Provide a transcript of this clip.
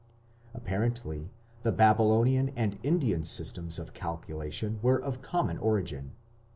Apparently the Babylonian and Indian systems of calculation were of common origin.